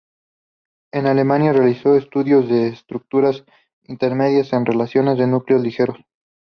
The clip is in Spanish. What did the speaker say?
En Alemania realizó estudios de estructuras intermedias en reacciones en núcleos ligeros.